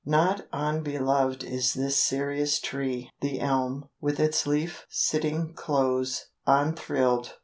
Not unbeloved is this serious tree, the elm, with its leaf sitting close, unthrilled.